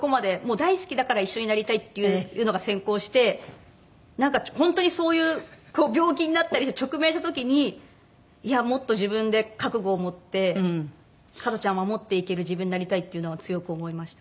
大好きだから一緒になりたいっていうのが先行してなんか本当にそういう病気になったりして直面した時にいやもっと自分で覚悟を持って加トちゃんを守っていける自分になりたいっていうのは強く思いました。